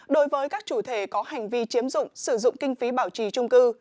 đối với các chủ thể có hành vi chiếm dụng sử dụng kinh phí bảo trì trung cư